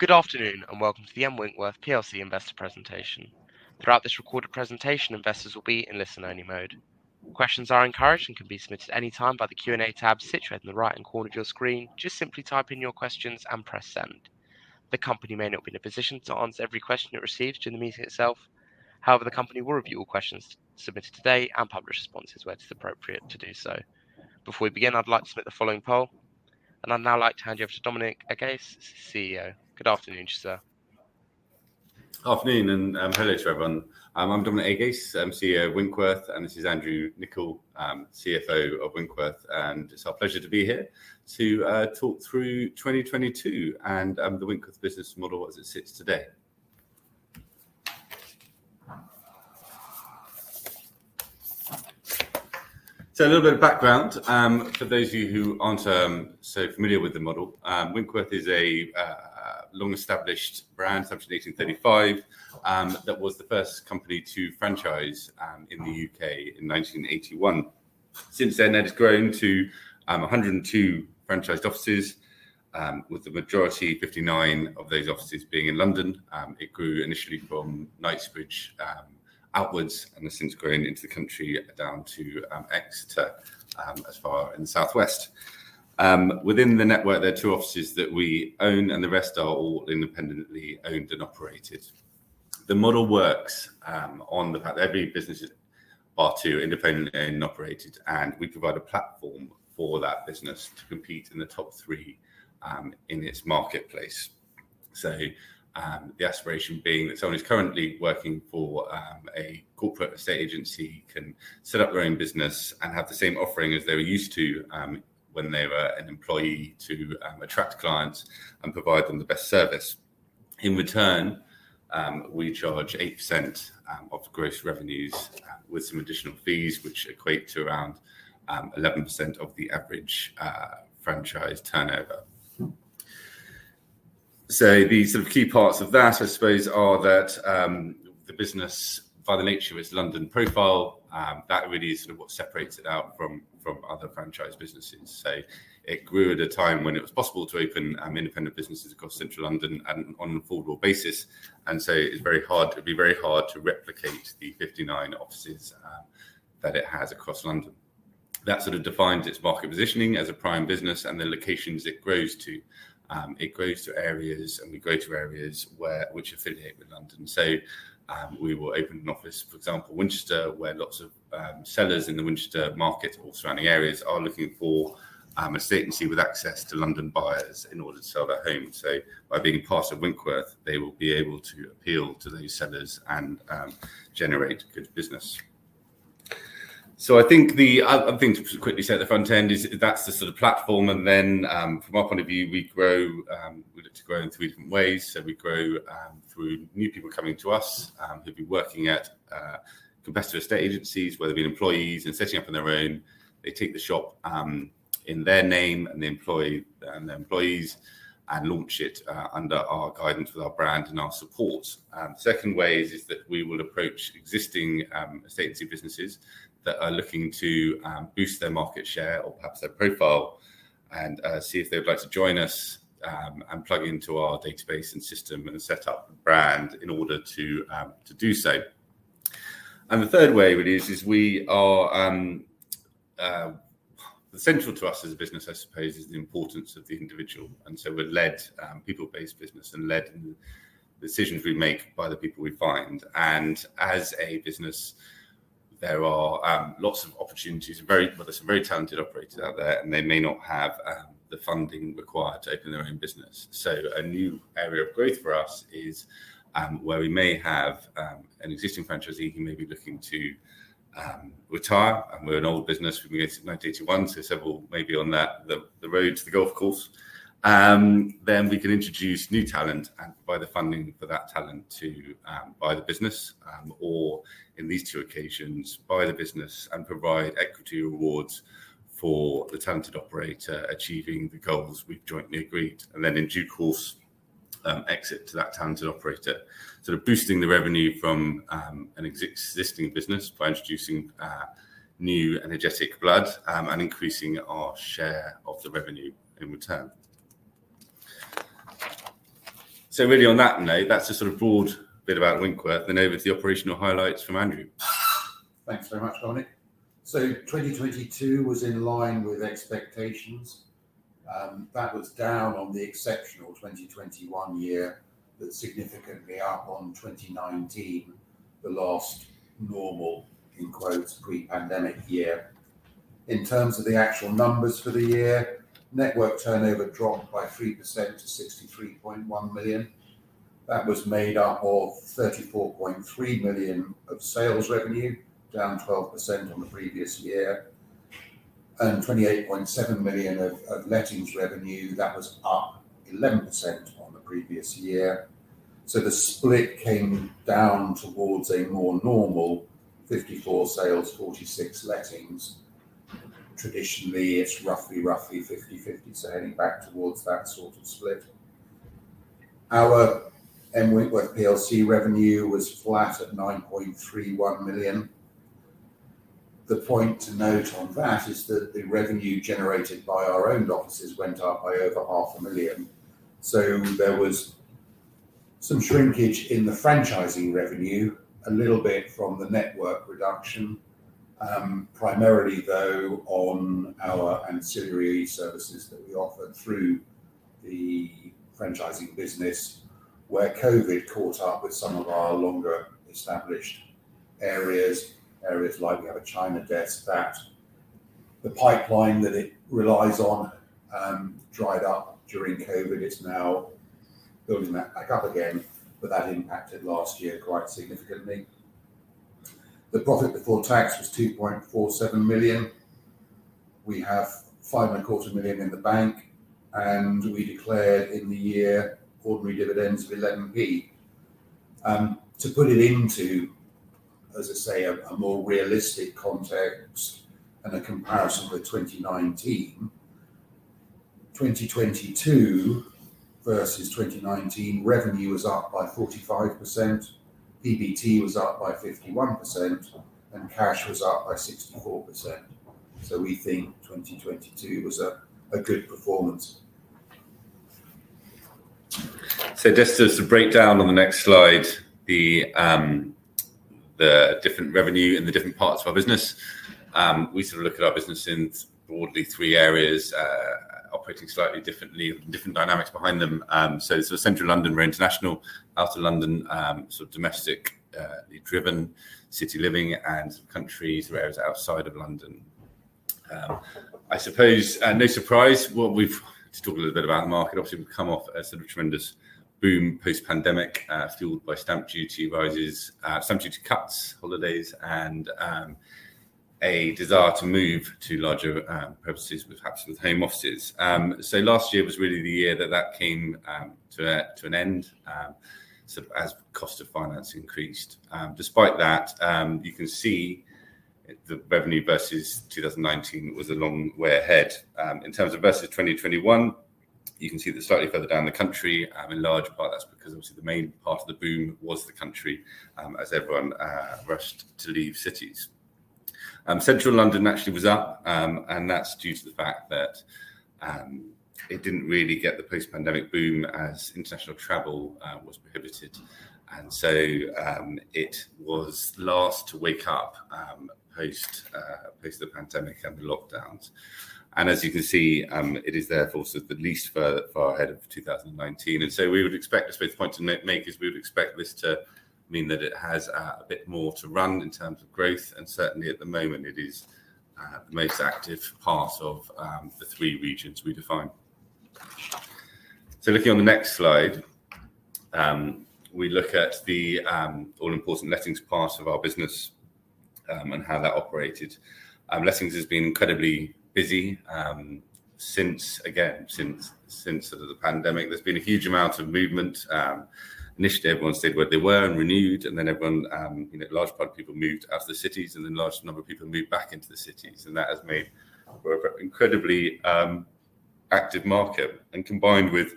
Good afternoon, welcome to the M Winkworth plc investor presentation. Throughout this recorded presentation, investors will be in listen only mode. Questions are encouraged and can be submitted any time by the Q&A tab situated in the right-hand corner of your screen. Just simply type in your questions and press send. The company may not be in a position to answer every question it receives during the meeting itself. However, the company will review all questions submitted today and publish responses where it is appropriate to do so. Before we begin, I'd like to submit the following poll. I'd now like to hand you over to Dominic Agace, CEO. Good afternoon to you, sir. Afternoon, hello to everyone. I'm Dominic Agace. I'm CEO of Winkworth, and this is Andrew Nicol, CFO of Winkworth. It's our pleasure to be here to talk through 2022, and the Winkworth business model as it sits today. A little bit of background for those of you who aren't so familiar with the model. Winkworth is a long-established brand, established in 1835, that was the first company to franchise in the U.K. in 1981. Since then, it has grown to 102 franchised offices, with the majority, 59 of those offices being in London. It grew initially from Knightsbridge outwards and has since grown into the country down to Exeter as far in the southwest. Within the network, there are two offices that we own, and the rest are all independently owned and operated. The model works, on the fact every business is bar tool independent and operated, and we provide a platform for that business to compete in the top three in its marketplace. The aspiration being that someone who's currently working for a corporate estate agency can set up their own business and have the same offering as they were used to, when they were an employee to attract clients and provide them the best service. In return, we charge 8% of gross revenues, with some additional fees which equate to around 11% of the average franchise turnover. The sort of key parts of that, I suppose, are that the business by the nature of its London profile, that really is sort of what separates it out from other franchise businesses. It grew at a time when it was possible to open independent businesses across central London and on an affordable basis. It's very hard, it'd be very hard to replicate the 59 offices that it has across London. That sort of defines its market positioning as a prime business and the locations it grows to. It grows to areas, and we grow to areas where which affiliate with London. We will open an office, for example, Winchester, where lots of sellers in the Winchester market or surrounding areas are looking for an estate agency with access to London buyers in order to sell their home. By being part of Winkworth, they will be able to appeal to those sellers and generate good business. I think the other thing to quickly say at the front end is that's the sort of platform. Then, from our point of view, we grow, we look to grow in three different ways. We grow through new people coming to us, who've been working at competitor estate agencies, whether it be employees and setting up on their own. They take the shop, in their name and the employee, and their employees and launch it, under our guidance with our brand and our support. The second way is that we will approach existing, estate agency businesses that are looking to, boost their market share or perhaps their profile and, see if they'd like to join us, and plug into our database and system and set up a brand in order to do so. The third way really is we are, central to us as a business, I suppose, is the importance of the individual. We're led, people-based business and led decisions we make by the people we find. As a business, there are, lots of opportunities. Well, there's some very talented operators out there, and they may not have the funding required to open their own business. A new area of growth for us is where we may have an existing franchisee who may be looking to retire, and we're an old business from 1891. Several may be on that the road to the golf course. We can introduce new talent and provide the funding for that talent to buy the business. In these 2 occasions, buy the business and provide equity rewards for the talented operator achieving the goals we've jointly agreed. In due course, exit to that talented operator, sort of boosting the revenue from an existing business by introducing new energetic blood, and increasing our share of the revenue in return. Really on that note, that's the sort of broad bit about Winkworth. Over to the operational highlights from Andrew. Thanks very much, Dominic. 2022 was in line with expectations. That was down on the exceptional 2021 year, but significantly up on 2019, the last normal, in quotes, pre-pandemic year. In terms of the actual numbers for the year, network turnover dropped by 3% to 63.1 million. That was made up of 34.3 million of Sales revenue, down 12% on the previous year, and 28.7 million of Lettings revenue. That was up 11% on the previous year. The split came down towards a more normal 54% Sales, 46% Lettings. Traditionally, it's roughly 50/50, heading back towards that sort of split. Our M Winkworth plc revenue was flat at 9.31 million. The point to note on that is that the revenue generated by our Owned Offices went up by over GBP half a million. There was some shrinkage in the Franchising revenue, a little bit from the network reduction. primarily though on our ancillary services that we offer through the Franchising business where COVID caught up with some of our longer established areas. Areas like we have a China desk that the pipeline that it relies on, dried up during COVID. It's now building that back up again, but that impacted last year quite significantly. The profit before tax was 2.47 million. We have five and a quarter million in the bank, and we declared in the year ordinary dividends of 0.11 to put it into, as I say, a more realistic context and a comparison with 2019. 2022 versus 2019 revenue was up by 45%, PBT was up by 51%, and cash was up by 64%. We think 2022 was a good performance. Just as a breakdown on the next slide, the different revenue in the different parts of our business. We sort of look at our business in broadly three areas, operating slightly differently with different dynamics behind them. Sort of Central London, we're international. Out of London, sort of domestically driven, city living and countries where it's outside of London. I suppose at no surprise To talk a little bit about the market, obviously we've come off a sort of tremendous boom post-pandemic, fueled by Stamp Duty rises, Stamp Duty cuts, holidays and a desire to move to larger purposes perhaps with home offices. Last year was really the year that that came to an end, sort of as cost of finance increased. Despite that, you can see the revenue versus 2019 was a long way ahead. In terms of versus 2021, you can see that slightly further down the country, in large part that's because obviously the main part of the boom was the country, as everyone rushed to leave cities. Central London actually was up, and that's due to the fact that it didn't really get the post-pandemic boom as international travel was prohibited. It was last to wake up, post the pandemic and the lockdowns. As you can see, it is therefore sort of the least far ahead of 2019. We would expect, I suppose the point to make is we would expect this to mean that it has a bit more to run in terms of growth, and certainly at the moment it is the most active part of the three regions we define. Looking on the next slide, we look at the all important Lettings part of our business and how that operated. Lettings has been incredibly busy since again, since the sort of the pandemic. There's been a huge amount of movement. Initially everyone stayed where they were and renewed, and then everyone, you know, large part of people moved out of the cities and then large number of people moved back into the cities. That has made for a incredibly active market. Combined with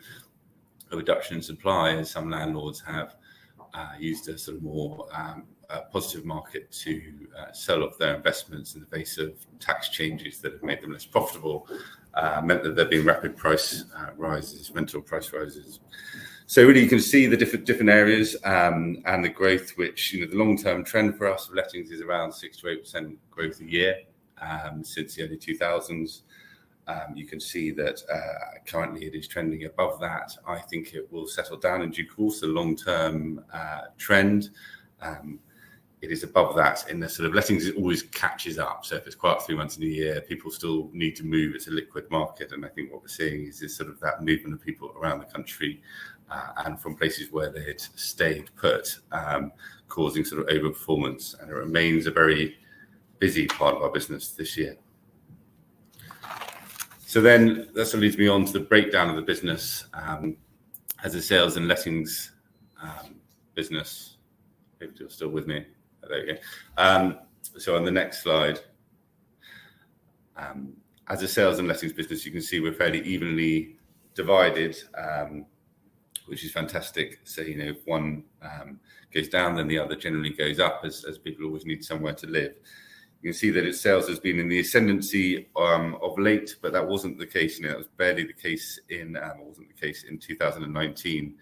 a reduction in supply as some landlords have used a sort of more positive market to sell off their investments in the face of tax changes that have made them less profitable, meant that there'd be rapid price rises, rental price rises. Really you can see the different areas, and the growth, which, you know, the long-term trend for us of Lettings is around 6%-8% growth a year, since the early 2000s. You can see that currently it is trending above that. I think it will settle down in due course. The long-term trend, it is above that. In the sort of Lettings it always catches up. If it's quiet for 3 months in a year, people still need to move. It's a liquid market. I think what we're seeing is this sort of that movement of people around the country, and from places where they had stayed put, causing sort of over performance and it remains a very busy part of our business this year. That sort of leads me on to the breakdown of the business, as a Sales and Lettings, business. Hope you're still with me. There we go. On the next slide. As a Sales and Lettings business, you can see we're fairly evenly divided, which is fantastic. You know, if one, goes down, then the other generally goes up as people always need somewhere to live. You can see that it's Sales has been in the ascendancy of late, that wasn't the case, you know, it was barely the case in, or wasn't the case in 2019.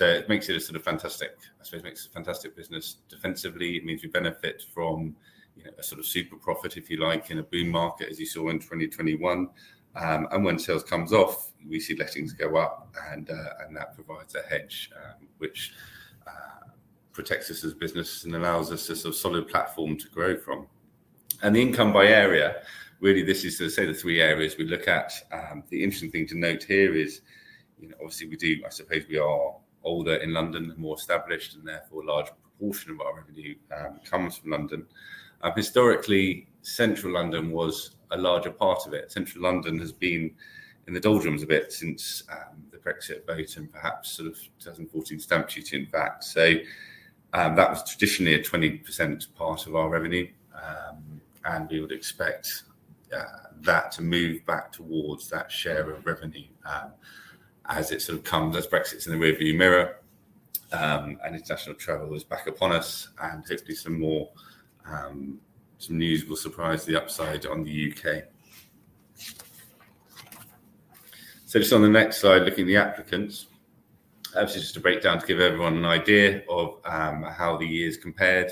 It makes it a sort of fantastic... I suppose it makes a fantastic business defensively. It means we benefit from, you know, a sort of super profit, if you like, in a boom market as you saw in 2021. When Sales comes off, we see Lettings go up and that provides a hedge, which protects us as business and allows us a sort of solid platform to grow from. The income by area, really this is sort of say the three areas we look at. The interesting thing to note here is, you know, obviously we do... I suppose we are older in London and more established, and therefore a large proportion of our revenue comes from London. Historically central London was a larger part of it. Central London has been in the doldrums a bit since the Brexit vote and perhaps sort of 2014 Stamp Duty impact. That was traditionally a 20% part of our revenue. And we would expect that to move back towards that share of revenue as it sort of comes, as Brexit's in the rear view mirror. And international travel is back upon us, and hopefully some more news will surprise the upside on the U.K. Just on the next slide, looking at the applicants. Actually, just a breakdown to give everyone an idea of how the year's compared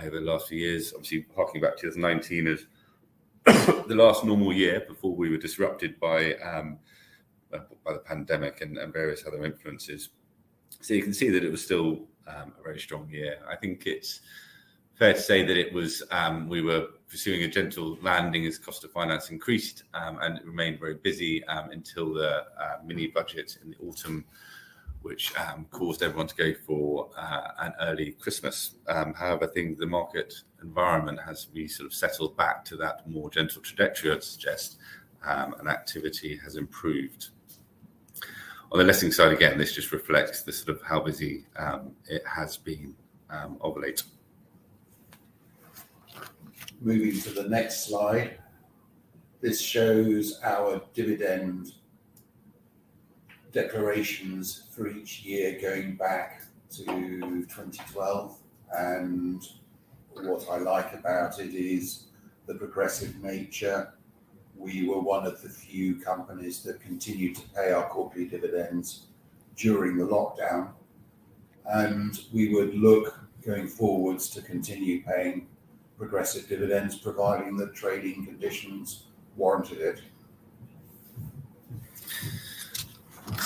over the last few years. Obviously harking back to 2019 as the last normal year before we were disrupted by the pandemic and various other influences. You can see that it was still a very strong year. I think it's fair to say that it was, we were pursuing a gentle landing as cost of finance increased, and it remained very busy until the mini-budget in the autumn which caused everyone to go for an early Christmas. However, I think the market environment has really sort of settled back to that more gentle trajectory, I'd suggest, and activity has improved. On the Lettings side, again, this just reflects the sort of how busy it has been of late. Moving to the next slide. This shows our dividend declarations for each year going back to 2012. What I like about it is the progressive nature. We were one of the few companies that continued to pay our quarterly dividends during the lockdown. We would look going forward to continue paying progressive dividends, providing the trading conditions warranted it.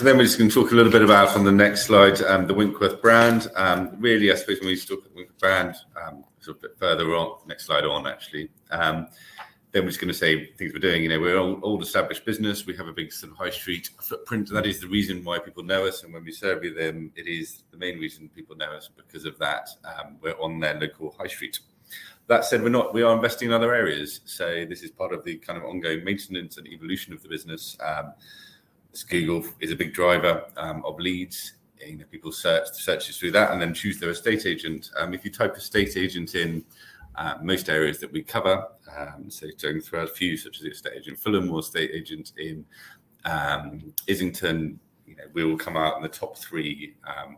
We're just gonna talk a little bit about on the next slide, the Winkworth brand, really I suppose when we talk about the Winkworth brand, sort of a bit further on, next slide on actually, then we're just gonna say things we're doing. You know, we're an old established business. We have a big sort of high street footprint. That is the reason why people know us, and when we survey them, it is the main reason people know us because of that, we're on their local high street. That said, we are investing in other areas. This is part of the kind of ongoing maintenance and evolution of the business. Google is a big driver of leads. You know, people search through that and then choose their estate agent. If you type estate agent in most areas that we cover, going through a few such as estate agent Fulham or estate agent in Islington, you know, we will come out in the top three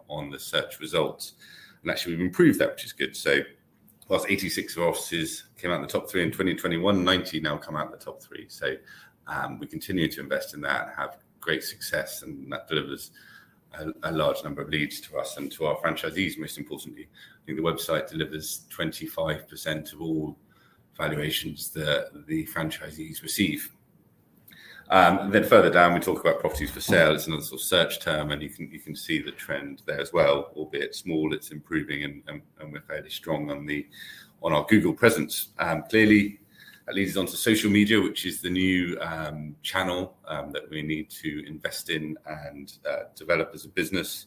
on the search results. Actually, we've improved that, which is good. Whilst 86 of our offices came out in the top three in 2021, 90 now come out in the top three. We continue to invest in that and have great success, and that delivers a large number of leads to us and to our franchisees most importantly. I think the website delivers 25% of all valuations that the franchisees receive. Further down, we talk about properties for sale. It's another sort of search term, you can see the trend there as well, albeit small, it's improving and we're fairly strong on our Google presence. Clearly that leads us onto social media, which is the new channel that we need to invest in and develop as a business.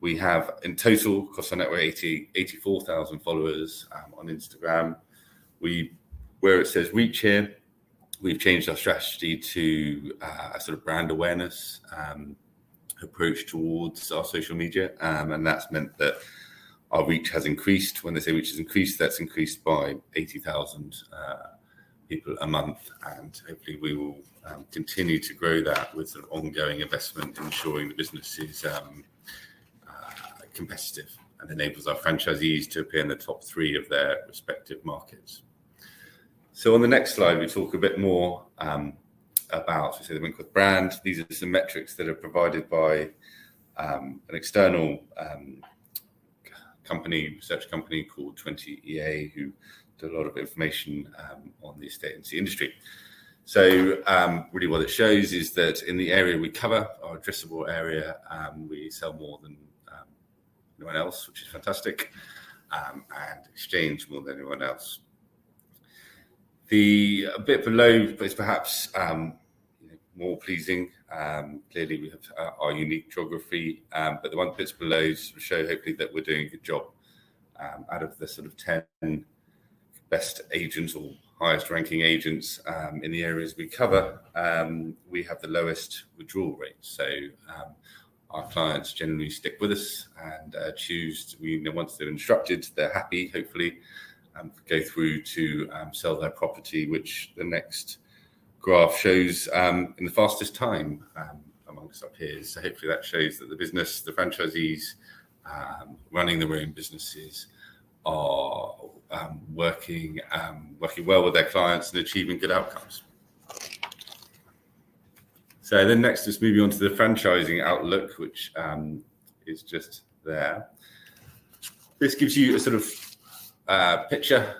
We have in total across our network 84,000 followers on Instagram. Where it says reach here, we've changed our strategy to a sort of brand awareness approach towards our social media, and that's meant that our reach has increased. When they say reach has increased, that's increased by 80,000 people a month. Hopefully we will continue to grow that with sort of ongoing investment ensuring the business is competitive and enables our franchisees to appear in the top three of their respective markets. On the next slide, we talk a bit more about obviously the Winkworth brand. These are some metrics that are provided by an external research company called TwentyEA, who do a lot of information on the estate agency industry. Really what it shows is that in the area we cover, our addressable area, we sell more than anyone else, which is fantastic, and exchange more than anyone else. The bit below is perhaps more pleasing. Clearly we have our unique geography, the 1 bits below show hopefully that we're doing a good job. Out of the sort of 10 best agents or highest ranking agents, in the areas we cover, we have the lowest withdrawal rate. Our clients generally stick with us and choose, you know, once they're instructed, they're happy, hopefully, go through to sell their property, which the next graph shows, in the fastest time, amongst our peers. Hopefully that shows that the business, the franchisees, running their own businesses are working well with their clients and achieving good outcomes. Next just moving on to the Franchising outlook, which is just there. This gives you a sort of picture,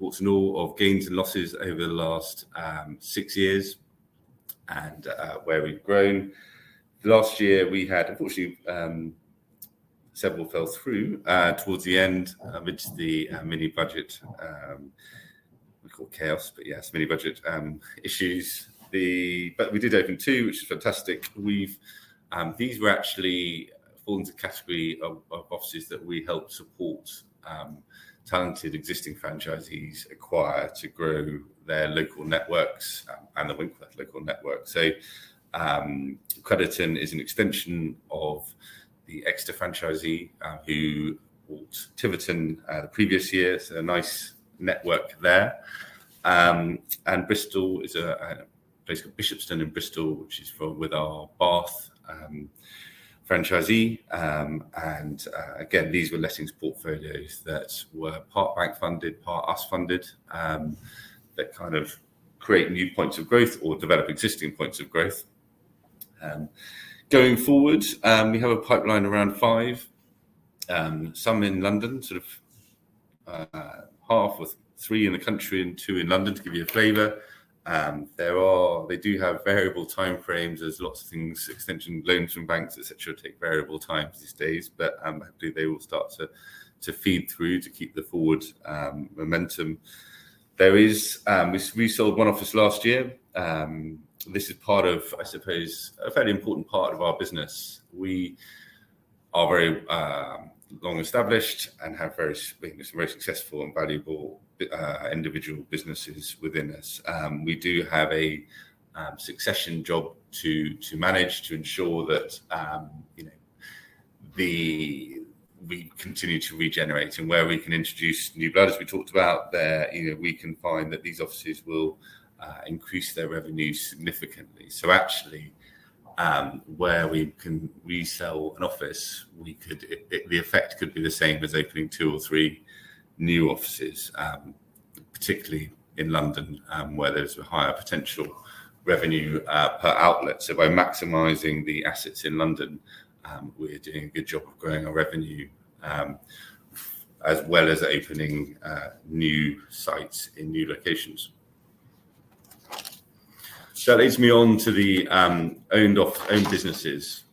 all to know of gains and losses over the last 6 years and where we've grown. Last year we had, unfortunately, several fell through towards the end amid the Mini-budget we call chaos, but yes, Mini-budget issues. We did open 2, which is fantastic. These were actually fall into a category of offices that we help support talented existing franchisees acquire to grow their local networks and the Winkworth local network. Crediton is an extension of the Exeter franchisee who bought Tiverton the previous year. A nice network there. Bristol is a place called Bishopston in Bristol, which is with our Bath franchisee. Again, these were Lettings portfolios that were part bank-funded, part us-funded, that kind of create new points of growth or develop existing points of growth. Going forward, we have a pipeline around 5, some in London, sort of, half with 3 in the country and 2 in London to give you a flavor. They do have variable time frames. There's lots of things, extension loans from banks, et cetera, take variable times these days, but hopefully they will start to feed through to keep the forward momentum. We sold 1 office last year. This is part of, I suppose, a fairly important part of our business. We are very long-established and have very successful and valuable individual businesses within us. We do have a succession job to manage to ensure that, you know, we continue to regenerate and where we can introduce new blood, as we talked about there, you know, we can find that these offices will increase their revenue significantly. Actually, where we can resell an office, the effect could be the same as opening two or three new offices, particularly in London, where there's a higher potential revenue per outlet. By maximizing the assets in London, we're doing a good job of growing our revenue as well as opening new sites in new locations. That leads me on to the owned businesses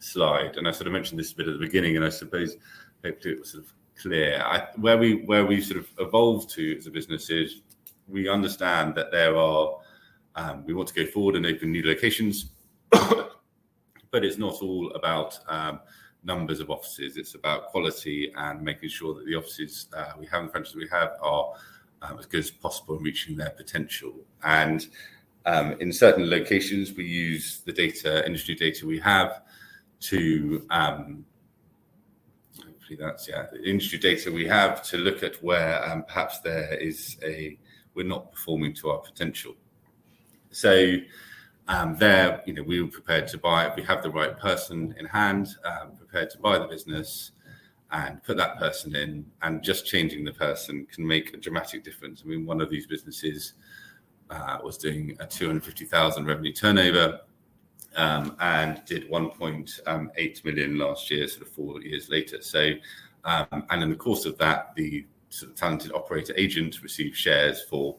slide. I sort of mentioned this a bit at the beginning, I suppose hopefully it was sort of clear. Where we, where we've sort of evolved to as a business is we understand that there are, we want to go forward and open new locations, but it's not all about numbers of offices. It's about quality and making sure that the offices we have and the franchises we have are as good as possible in reaching their potential. In certain locations, we use the data, industry data we have to. Hopefully that's, yeah. The industry data we have to look at where perhaps there is a, "We're not performing to our potential." There, you know, we were prepared to buy. We have the right person in hand, prepared to buy the business and put that person in, and just changing the person can make a dramatic difference. I mean, one of these businesses was doing a 250,000 revenue turnover and did 1.8 million last year, sort of four years later. In the course of that, the talented operator agent received shares for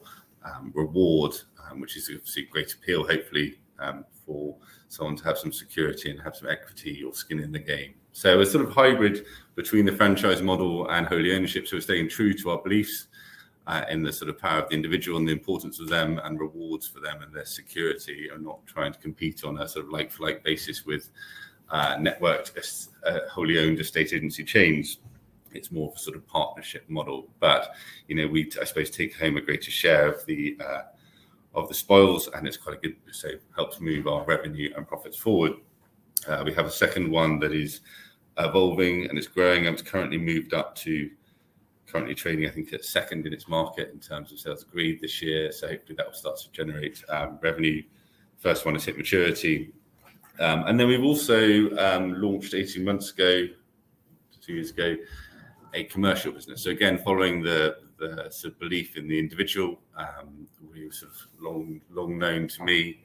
reward, which is obviously great appeal, hopefully, for someone to have some security and have some equity or skin in the game. A sort of hybrid between the franchise model and wholly ownership. We're staying true to our beliefs in the sort of power of the individual and the importance of them and rewards for them and their security and not trying to compete on a sort of like-for-like basis with networked wholly owned estate agency chains. It's more of a sort of partnership model. you know, we, I suppose, take home a greater share of the of the spoils, and it's quite a good, say, helps move our revenue and profits forward. We have a second one that is evolving and is growing and it's currently moved up to currently trading, I think, at second in its market in terms of Sales agreed this year. Hopefully that will start to generate revenue. First one has hit maturity. And then we've also launched 18 months ago, two years ago, a commercial business. Again, following the sort of belief in the individual, we were sort of long known to me,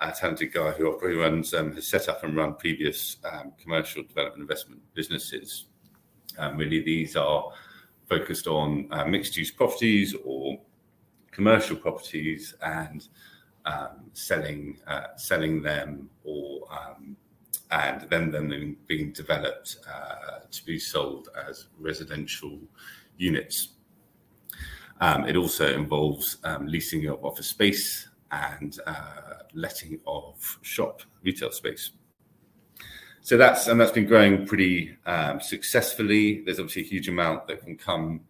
a talented guy who runs has set up and run previous commercial development investment businesses. Really these are focused on mixed-use properties or commercial properties and selling them or and then them then being developed to be sold as residential units. It also involves leasing of office space and letting of shop retail space. That's been growing pretty successfully. There's obviously a huge amount that can come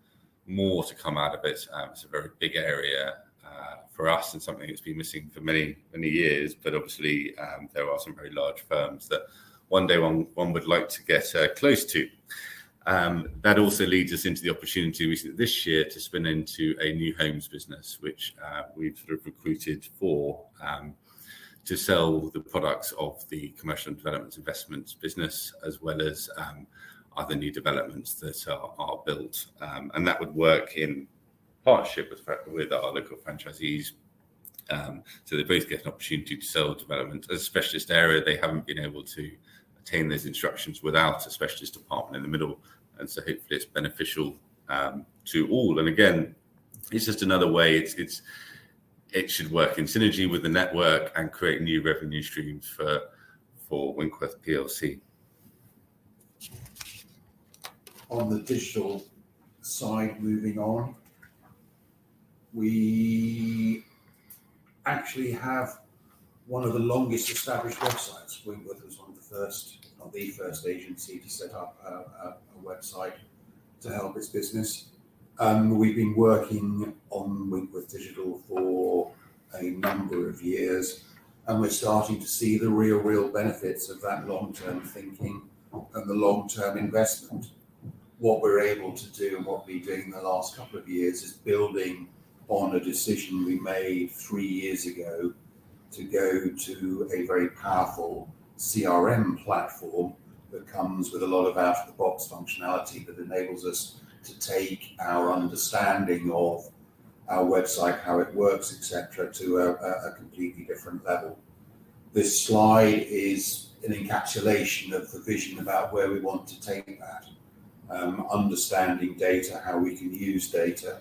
more to come out of it. It's a very big area for us and something that's been missing for many, many years. Obviously, there are some very large firms that one day one would like to get close to. That also leads us into the opportunity we see this year to spin into a new homes business, which we've sort of recruited for, to sell the products of the commercial and developments investments business as well as other new developments that are built. That would work in partnership with our local franchisees. They both get an opportunity to sell development. A specialist area, they haven't been able to attain those instructions without a specialist department in the middle, and so hopefully it's beneficial to all. Again, it's just another way, it should work in synergy with the network and create new revenue streams for Winkworth plc. On the digital side, moving on, we actually have one of the longest established websites. Winkworth was one of the first, or the first agency to set up a website to help its business. We've been working on Winkworth Digital for a number of years, and we're starting to see the real benefits of that long-term thinking and the long-term investment. What we're able to do and what we've been doing the last couple of years is building on a decision we made 3 years ago to go to a very powerful CRM platform that comes with a lot of out-of-the-box functionality that enables us to take our understanding of our website, how it works, et cetera, to a completely different level. This slide is an encapsulation of the vision about where we want to take that, understanding data, how we can use data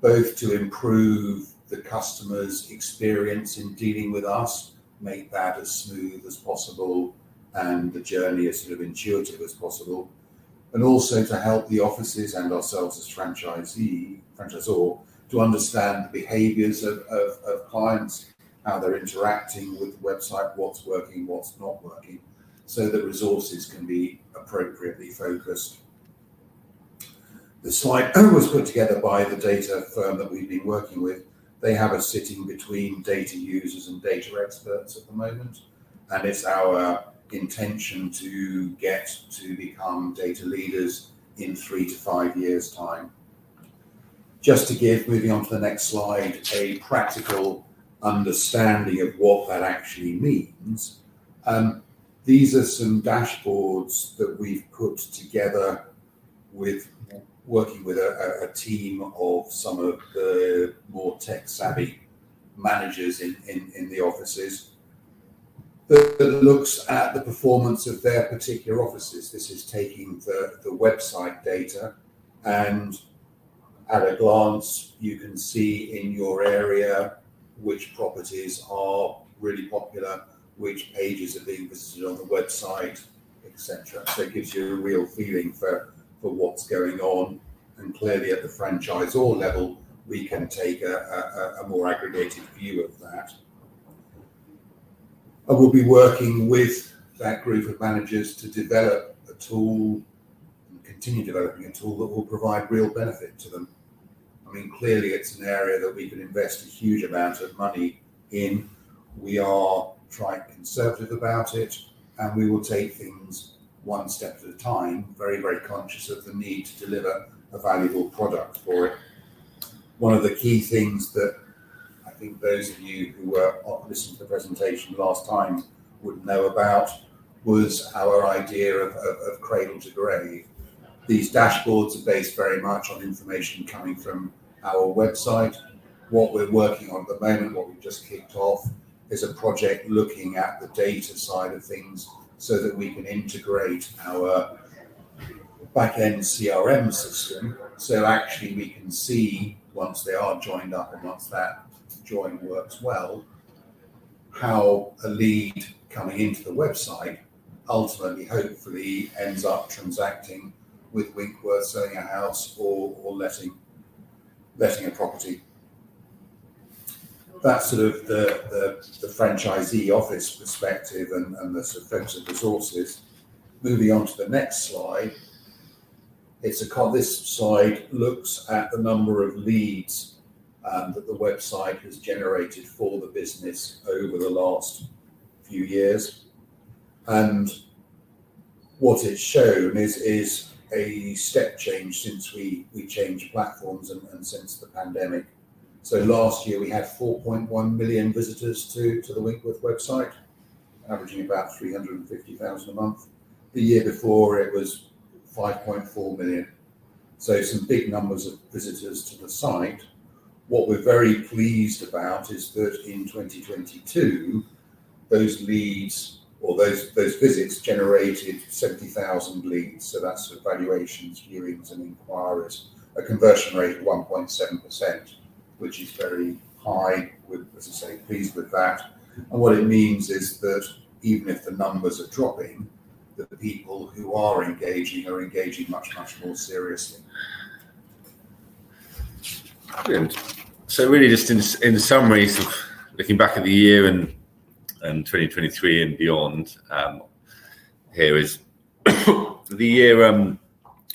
both to improve the customer's experience in dealing with us, make that as smooth as possible, and the journey as sort of intuitive as possible. Also to help the offices and ourselves as franchisee, franchisor to understand the behaviors of clients, how they're interacting with the website, what's working, what's not working, so the resources can be appropriately focused. The slide was put together by the data firm that we've been working with. They have us sitting between data users and data experts at the moment. It's our intention to get to become data leaders in three to five years' time. Just to give, moving on to the next slide, a practical understanding of what that actually means, these are some dashboards that we've put together with working with a team of some of the more tech-savvy managers in the offices that looks at the performance of their particular offices. This is taking the website data and at a glance you can see in your area which properties are really popular, which pages are being visited on the website, et cetera. It gives you a real feeling for what's going on, and clearly at the franchisor level, we can take a more aggregated view of that. I will be working with that group of managers to develop a tool and continue developing a tool that will provide real benefit to them. I mean, clearly it's an area that we can invest a huge amount of money in. We are trying to be conservative about it, and we will take things one step at a time, very, very conscious of the need to deliver a valuable product for it. One of the key things that I think those of you who listened to the presentation last time would know about was our idea of cradle to grave. These dashboards are based very much on information coming from our website. What we're working on at the moment, what we've just kicked off, is a project looking at the data side of things so that we can integrate our back-end CRM system. Actually we can see, once they are joined up and once that join works well, how a lead coming into the website ultimately, hopefully ends up transacting with Winkworth, selling a house or letting a property. That's sort of the franchisee office perspective and the sort of focus of resources. Moving on to the next slide. This slide looks at the number of leads that the website has generated for the business over the last few years. What it's shown is a step change since we changed platforms and since the pandemic. Last year we had 4.1 million visitors to the Winkworth website, averaging about 350,000 a month. The year before it was 5.4 million. Some big numbers of visitors to the site. What we're very pleased about is that in 2022, those leads or those visits generated 70,000 leads, so that's valuations, viewings and inquirers. A conversion rate of 1.7%, which is very high. We're, as I say, pleased with that. What it means is that even if the numbers are dropping, the people who are engaging are engaging much more seriously. Brilliant. Really just in summary, sort of looking back at the year and 2023 and beyond, the year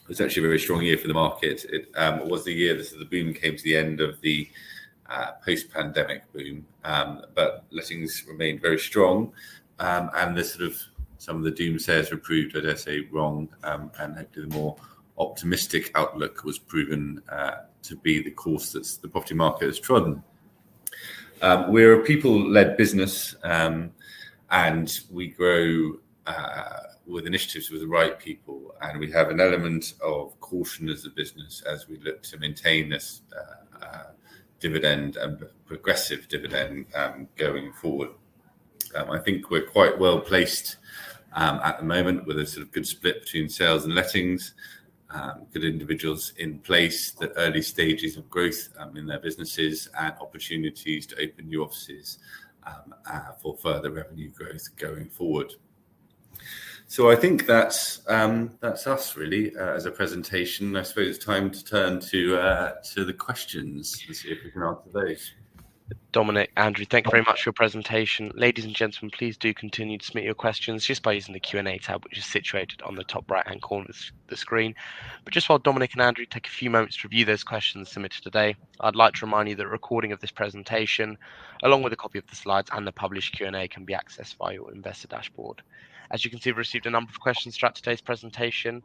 was actually a very strong year for the market. It was the year that the boom came to the end of the post-pandemic boom. Lettings remained very strong. The sort of, some of the doomsayers were proved, I dare say, wrong, and hopefully the more optimistic outlook was proven to be the course that the property market has trodden. We're a people-led business, and we grow with initiatives with the right people, and we have an element of caution as a business as we look to maintain this dividend and progressive dividend going forward. I think we're quite well placed at the moment with a sort of good split between Sales and Lettings, good individuals in place at early stages of growth in their businesses and opportunities to open new offices for further revenue growth going forward. I think that's us really as a presentation. I suppose it's time to turn to the questions and see if we can answer those. Dominic, Andrew, thank you very much for your presentation. Ladies and gentlemen, please do continue to submit your questions just by using the Q&A tab, which is situated on the top right-hand corner of the screen. Just while Dominic and Andrew take a few moments to review those questions submitted today, I'd like to remind you that a recording of this presentation, along with a copy of the slides and the published Q&A, can be accessed via your investor dashboard. As you can see, we've received a number of questions throughout today's presentation.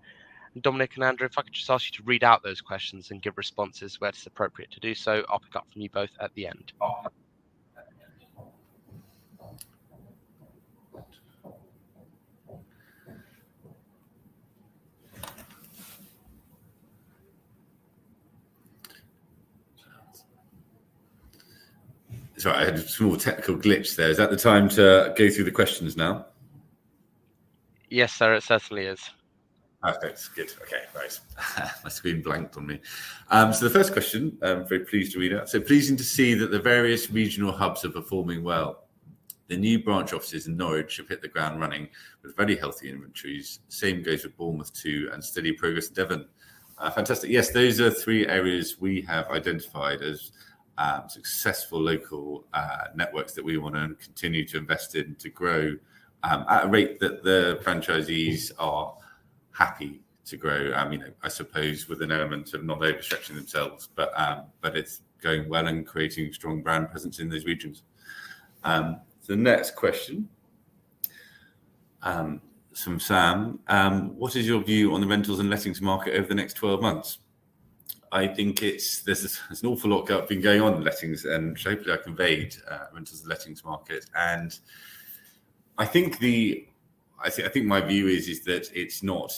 Dominic and Andrew, if I could just ask you to read out those questions and give responses where it's appropriate to do so. I'll pick up from you both at the end. Sorry, I had a small technical glitch there. Is that the time to go through the questions now? Yes, sir. It certainly is. Okay. Good. Okay, right. My screen blanked on me. The first question, I'm very pleased to read out. "So pleasing to see that the various regional hubs are performing well. The new branch offices in Norwich have hit the ground running with very healthy inventories. Same goes for Bournemouth too, and steady progress in Devon." Fantastic. Yes, those are three areas we have identified as successful local networks that we wanna continue to invest in to grow at a rate that the franchisees are happy to grow. You know, I suppose with an element of not overstretching themselves, but it's going well and creating strong brand presence in those regions. The next question from Sam. "What is your view on the rentals and Lettings market over the next 12 months?" I think it's... There's an awful lot that's been going on in Lettings, hopefully I conveyed, renters and Lettings market. I think my view is that it's not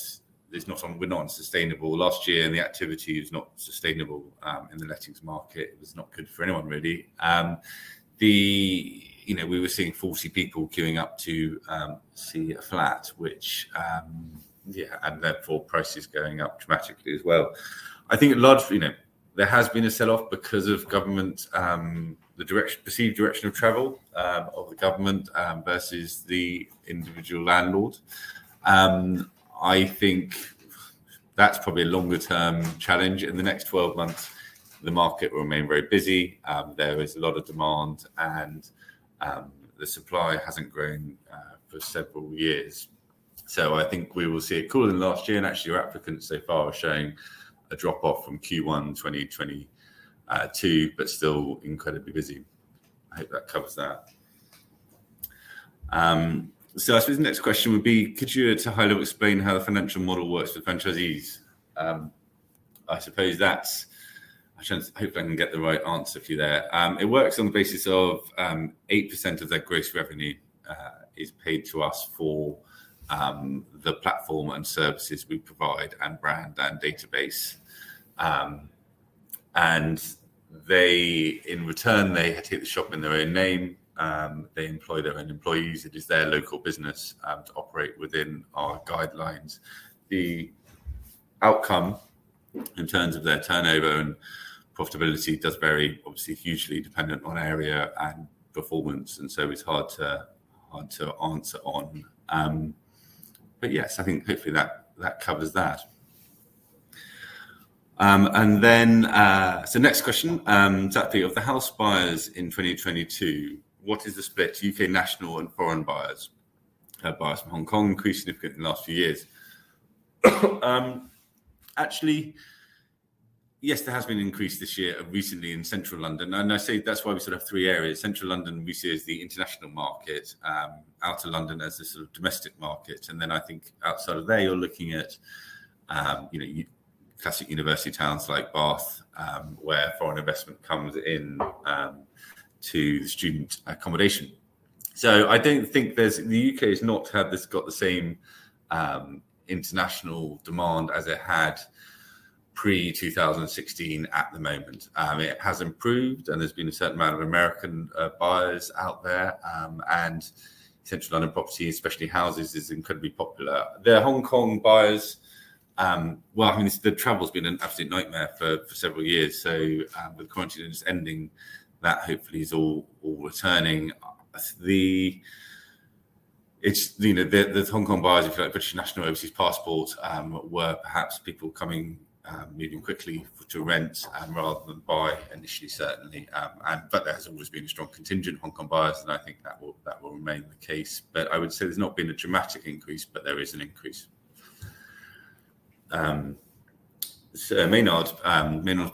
unsustainable. Last year, the activity is not sustainable in the Lettings market. It was not good for anyone really. The, you know, we were seeing 40 people queuing up to see a flat, which, yeah, therefore prices going up dramatically as well. I think a large, you know, there has been a sell-off because of government, the direction, perceived direction of travel of the government versus the individual landlord. I think that's probably a longer term challenge. In the next 12 months, the market will remain very busy. There is a lot of demand and the supply hasn't grown for several years. I think we will see it cooler than last year, and actually our applicants so far are showing a drop off from Q1 2022, but still incredibly busy. I hope that covers that. I suppose the next question would be, "Could you explain how the financial model works with franchisees?" I suppose that's. Hopefully I can get the right answer for you there. It works on the basis of 8% of their gross revenue is paid to us for the platform and services we provide and brand and database. They, in return, they take the shop in their own name. They employ their own employees. It is their local business to operate within our guidelines. The outcome in terms of their turnover and profitability does vary, obviously hugely dependent on area and performance. It's hard to answer on. Yes, I think hopefully that covers that. Next question. "Exactly of the house buyers in 2022, what is the split U.K. national and foreign buyers? Have buyers from Hong Kong increased significantly in the last few years?" Actually, yes, there has been an increase this year recently in Central London. I say that's why we sort of have three areas. Central London we see as the international market, out of London as the sort of domestic market, and then I think outside of there, you're looking at, you know, classic university towns like Bath, where foreign investment comes in to the student accommodation. I don't think The U.K. has not had this got the same international demand as it had pre-2016 at the moment. It has improved, and there's been a certain amount of American buyers out there, and Central London property, especially houses, is incredibly popular. The Hong Kong buyers, well, I mean, the travel's been an absolute nightmare for several years, so with quarantine just ending, that hopefully is all returning. It's, you know, the Hong Kong buyers, if you like British National (Overseas) passport, were perhaps people coming, moving quickly to rent, rather than buy initially, certainly. There has always been a strong contingent of Hong Kong buyers, and I think that will remain the case. I would say there's not been a dramatic increase, but there is an increase. Maynard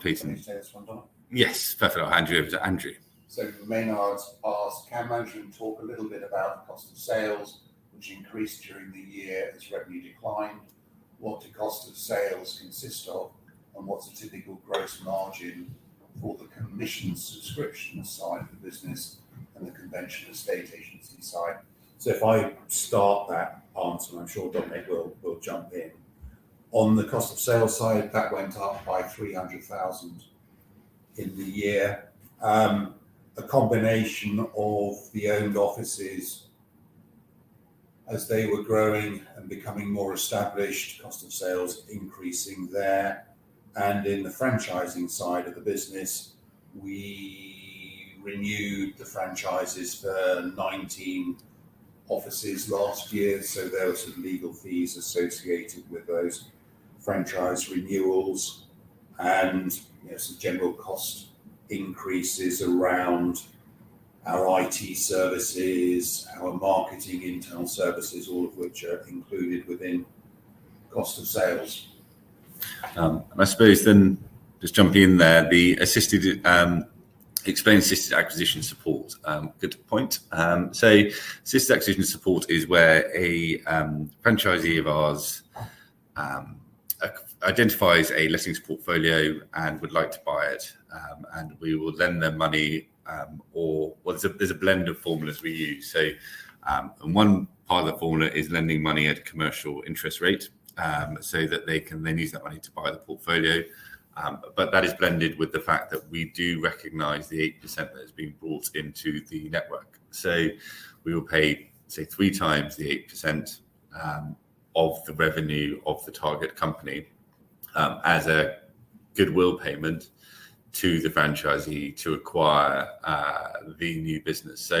Peterson- Can you take this one, Dom? Yes. Perfect. I'll hand you over to Andrew. Maynard's asked, "Can management talk a little bit about the cost of Sales, which increased during the year as revenue declined? What do cost of Sales consist of, and what's a typical gross margin for the commission subscription side of the business and the conventional estate agency side?" If I start that answer, and I'm sure Dominic will jump in. On the cost of Sales side, that went up by 300,000 in the year. A combination of the Owned Offices as they were growing and becoming more established, cost of Sales increasing there. In the Franchising side of the business, we renewed the franchises for 19 offices last year. There were some legal fees associated with those franchise renewals and, you know, some general cost increases around our IT services, our marketing internal services, all of which are included within cost of Sales. I suppose just jumping in there, the assisted, explain assisted acquisition support. Good point. Assisted acquisition support is where a franchisee of ours identifies a Lettings portfolio and would like to buy it. We will lend them money, or well, there's a blend of formulas we use. One part of the formula is lending money at a commercial interest rate, so that they can then use that money to buy the portfolio. That is blended with the fact that we do recognize the 8% that is being brought into the network. We will pay, say, 3x the 8% of the revenue of the target company as a goodwill payment to the franchisee to acquire the new business.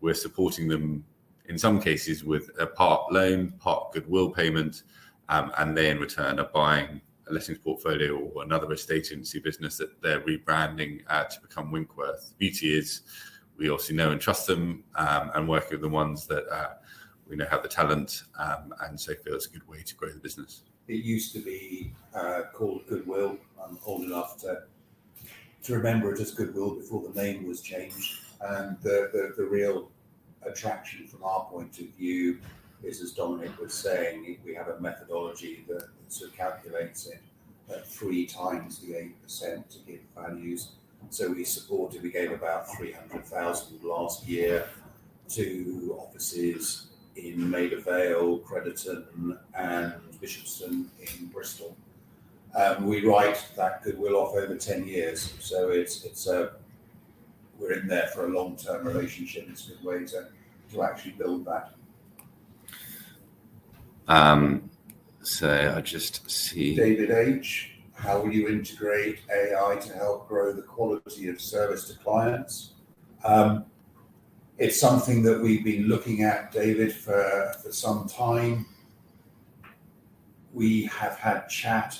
We're supporting them, in some cases with a part loan, part goodwill payment, and they in return are buying a Lettings portfolio or another estate agency business that they're rebranding to become Winkworth. The beauty is we obviously know and trust them, and work with the ones that we know have the talent, and so feel it's a good way to grow the business. It used to be called goodwill. I'm old enough to remember it as goodwill before the name was changed. The real attraction from our point of view is, as Dominic Agace was saying, we have a methodology that sort of calculates it at 3x the 8% to give values. We supported, we gave about 300,000 last year to offices in Maida Vale, Crediton, and Bishopston in Bristol. We write that goodwill off over 10 years, so we're in there for a long-term relationship. It's a good way to actually build that. I just see- David H, "How will you integrate AI to help grow the quality of service to clients?" It's something that we've been looking at, David, for some time. We have had chat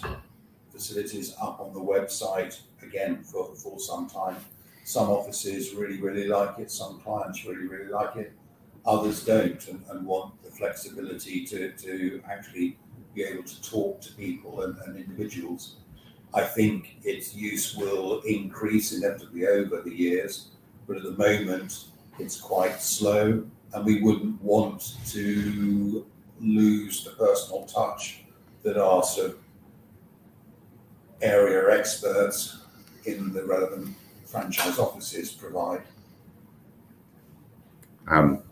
facilities up on the website again for some time. Some offices really like it. Some clients really like it. Others don't and want the flexibility to actually be able to talk to people and individuals. I think its use will increase inevitably over the years. At the moment it's quite slow, and we wouldn't want to lose the personal touch that our sort of area experts in the relevant franchise offices provide. On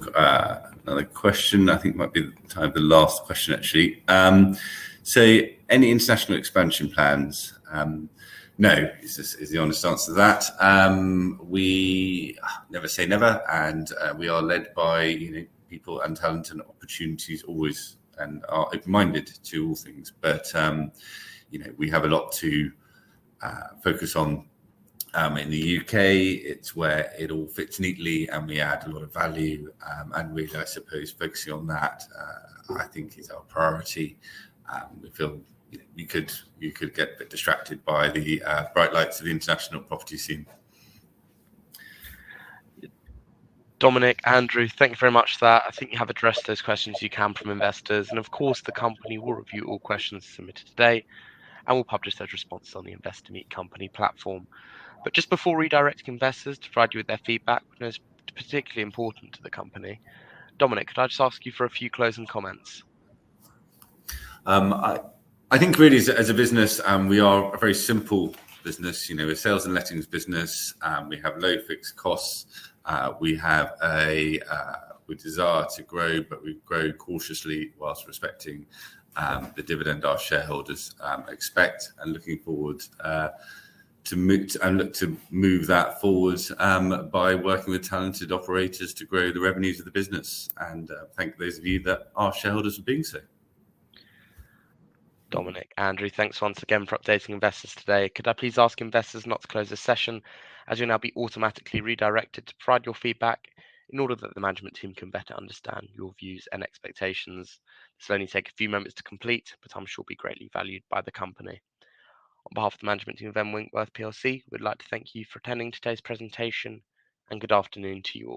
with another question. I think it might be time for the last question actually. Any international expansion plans? No is the honest answer to that. We never say never, and we are led by, you know, people and talent and opportunities always and are open-minded to all things. You know, we have a lot to focus on in the U.K. It's where it all fits neatly, and we add a lot of value. We, I suppose, focusing on that, I think is our priority. We feel you could, you could get a bit distracted by the bright lights of the international property scene. Dominic, Andrew, thank you very much for that. I think you have addressed those questions you can from investors, and of course, the company will review all questions submitted today and will publish those responses on the Investor Meet Company platform. Just before redirecting investors to provide you with their feedback, we know it's particularly important to the company, Dominic, could I just ask you for a few closing comments? I think really as a business, we are a very simple business, you know. We're a Sales and Lettings business. We have low fixed costs. We have a, we desire to grow, but we grow cautiously whilst respecting the dividend our shareholders expect and looking forward, and look to move that forward, by working with talented operators to grow the revenues of the business, and, thank those of you that are shareholders for being so. Dominic, Andrew, thanks once again for updating investors today. Could I please ask investors not to close this session, as you'll now be automatically redirected to provide your feedback in order that the management team can better understand your views and expectations. This will only take a few moments to complete but I'm sure will be greatly valued by the company. On behalf of the management team of M Winkworth plc, we'd like to thank you for attending today's presentation. Good afternoon to you all.